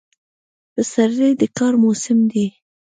پسرلی د کار موسم دی.